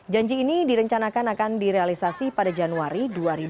janji ini direncanakan akan direalisasi pada januari dua ribu dua puluh